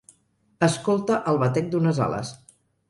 Escolta el batec d'unes ales.